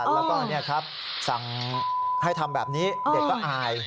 แล้วก็สั่งให้ทำแบบนี้เด็กก็อาย